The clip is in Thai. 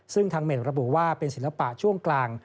ซึ่งทางเม่นระบุว่าเป็นศิลปะช่วงกลาง